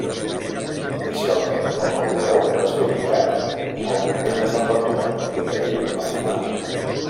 Inicialment el mausoleu va ser ubicat al convent de Sant Bartomeu, que ell va fundar.